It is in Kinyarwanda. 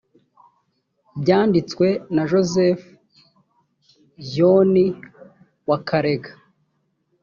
byanditswe na joseph jyoni wa karega